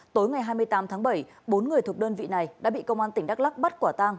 tối ngày hai mươi tám tháng bảy bốn người thuộc đơn vị này đã bị công an tỉnh đắk lắc bắt quả tang